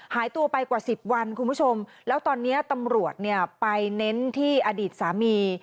หายตัวไปกว่าสิบวันคุณผู้ชมแล้วตอนนี้ตำรวจเนี่ยไปเน้นที่อดีตสามี